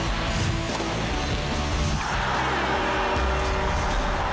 แม่หล่อขนาดนี้เอาใจไปเลยครับพี่